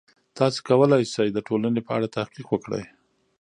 تاسې کولای سئ د ټولنې په اړه تحقیق وکړئ.